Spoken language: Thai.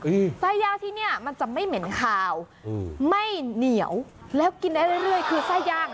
ไส้ย่างที่เนี้ยมันจะไม่เหม็นคาวอืมไม่เหนียวแล้วกินได้เรื่อยเรื่อยคือไส้ย่าง